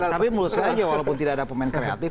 tapi menurut saya walaupun tidak ada pemain kreatif